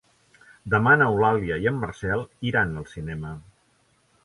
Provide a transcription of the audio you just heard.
Demà n'Eulàlia i en Marcel iran al cinema.